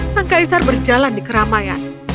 sang kaisar berjalan di keramaian